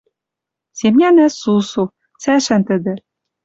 Семняна сусу, цӓшӓн тӹдӹ.